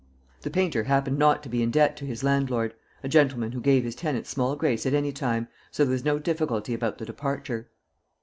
The painter happened not to be in debt to his landlord a gentleman who gave his tenants small grace at any time; so there was no difficulty about the departure.